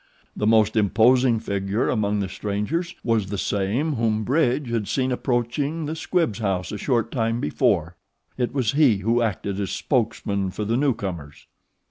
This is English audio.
The most imposing figure among the strangers was the same whom Bridge had seen approaching the Squibbs' house a short time before. It was he who acted as spokesman for the newcomers.